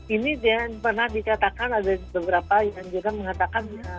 ini dia pernah dikatakan ada beberapa yang juga mengatakan